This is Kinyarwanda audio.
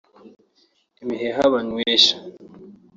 Imiheha banywesha